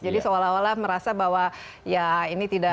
jadi seolah olah merasa bahwa ya ini tidak